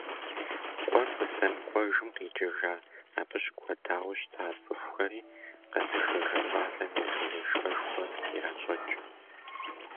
КӀуэр къыздэмыкӀуэжым къикӀыжа, абы щыкӀуэдауэ щыта цӀыхухэри къэзышэжа щӀалэм ефэ-ешхэшхуэ иращӀэкӀ.